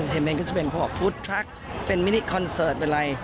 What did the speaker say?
ก็ก็จะมีฟุตไทรคเป็นมินิคคอนเสิร์ต